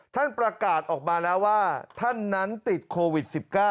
ท่านประกาศออกมาแล้วว่าท่านนั้นติดโควิด๑๙